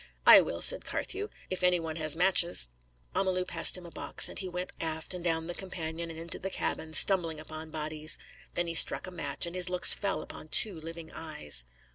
"I will," said Carthew, "if any one has matches." Amalu passed him a box, and he went aft and down the companion and into the cabin, stumbling upon bodies. Then he struck a match, and his looks fell upon two living eyes.